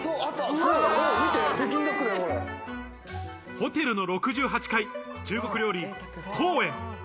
ホテルの６８階、中国料理・皇苑。